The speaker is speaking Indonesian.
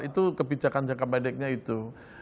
itu kebijakan jangka pendeknya itu